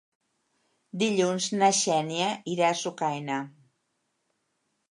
Dilluns na Xènia irà a Sucaina.